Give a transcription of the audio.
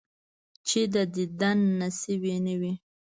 چې د دیدن نصیب یې نه وي،